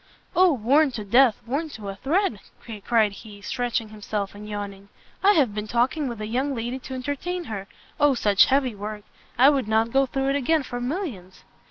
"O worn to death! worn to a thread!" cried he, stretching himself, and yawning; "I have been talking with a young lady to entertain her! O such heavy work! I would not go through it again for millions!